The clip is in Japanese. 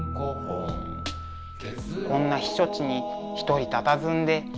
こんな避暑地に一人たたずんで。